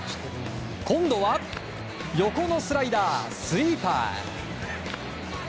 今度は横のスライダースイーパー！